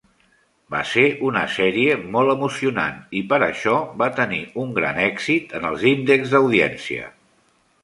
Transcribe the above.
Va ser una sèrie molt emocionant i per això va tenir un gran èxit en els índexs d'audiència.